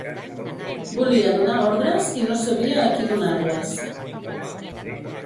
Volia donar ordres i no sabia a qui donar-les.